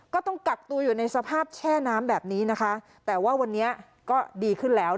ก็ต้องกักตัวอยู่ในสภาพแช่น้ำแบบนี้นะคะแต่ว่าวันนี้ก็ดีขึ้นแล้ว